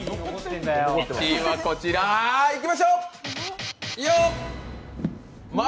１位はこちら、いきましょう！